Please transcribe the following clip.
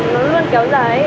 nó chỉ làm kéo dài ấy